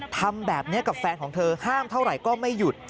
ทำแบบนี้กับแฟนของเธอห้ามเท่าไหร่ก็ไม่หยุด